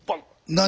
何？